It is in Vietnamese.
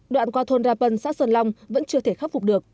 đoạn qua thôn rà bân xã sơn long vẫn chưa thể khắc phục được